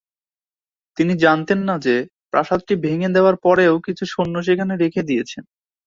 তিনি জানতেন না যে প্রাসাদটি ভেঙে দেওয়ার পরেও কিছু সৈন্য সেখানে রেখে দিয়েছেন।